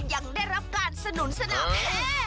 ยังได้รับการสนุนสนามแพ้